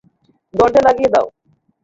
দরজা লাগিয়ে দাও।